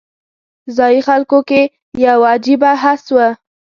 ځایي خلکو کې یو عجیبه حس و.